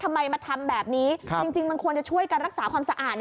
ทำไมมาทำแบบนี้จริงมันควรจะช่วยการรักษาความสะอาด